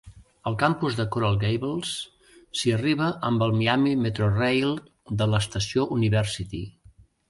Al campus de Coral Gables s'hi arriba amb el Miami Metrorail de l'estació University.